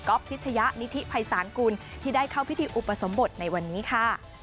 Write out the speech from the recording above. ก๊อปพิษยะนิธิไพรสานกุลที่ได้เข้าพิธีอุปสรรมบทในวันนี้ค่ะ